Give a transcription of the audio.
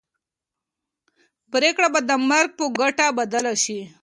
پرېکړه به د مرګ په ګټه بدله شي.